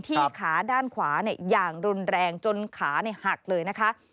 ขาด้านขวาอย่างรุนแรงจนขาหักเลยนะคะ